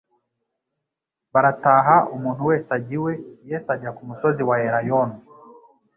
«barataha umuntu wese ajya iwe.» «Yesu ajya ku musozi wa Elayono.»